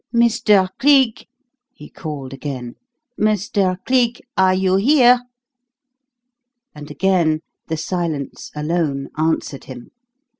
"Mr. Cleek!" he called again. "Mr. Cleek! Are you here?" And again the silence alone answered him.